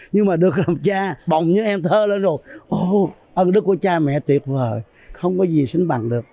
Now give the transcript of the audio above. nhưng mà được làm cha bồng như em thơ lên rồi ơn đức của cha mẹ tuyệt vời không có gì sinh bằng được